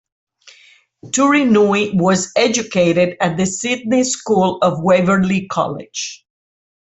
Turinui was educated at the Sydney school of Waverley College.